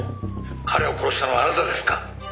彼を殺したのはあなたですか？」